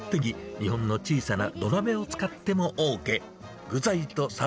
日本の小さな土鍋を使ってもＯＫ。